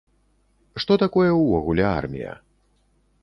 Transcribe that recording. Што такое ўвогуле армія?